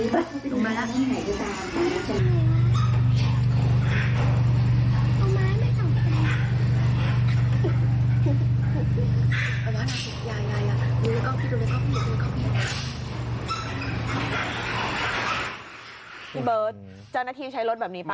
พี่เบิร์ตเจ้าหน้าที่ใช้รถแบบนี้ป่